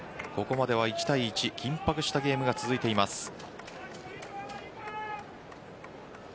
ここまでは１対１緊迫したゲームが続いています。